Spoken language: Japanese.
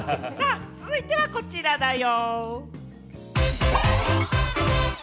続いてはこちらだよ。